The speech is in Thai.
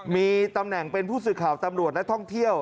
มีตำแหน่งเป็นผู้สื่อข่าวตำรวจและนักท่องเที่ยว